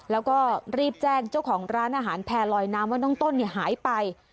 แล้วก็รีบแจ้งเจ้าของร้านอาหารแพร่ลอยน้ำว่าน้องต้นหายไป